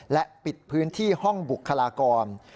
และปิดพื้นที่ห้องบุคลากร